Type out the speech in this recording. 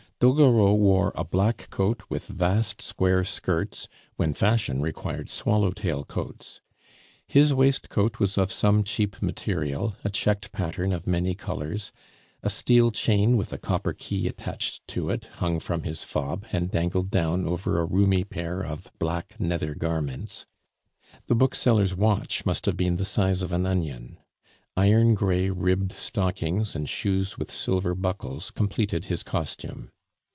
Doguereau wore a black coat with vast square skirts, when fashion required swallow tail coats. His waistcoat was of some cheap material, a checked pattern of many colors; a steel chain, with a copper key attached to it, hung from his fob and dangled down over a roomy pair of black nether garments. The booksellers' watch must have been the size of an onion. Iron gray ribbed stockings, and shoes with silver buckles completed is costume.